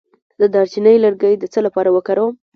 د دارچینی لرګی د څه لپاره وکاروم؟